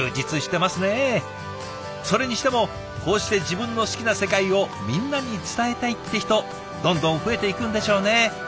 それにしてもこうして自分の好きな世界をみんなに伝えたいって人どんどん増えていくんでしょうね。